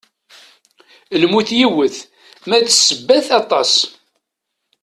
Lmut yiwet, ma d ssebbat aṭas.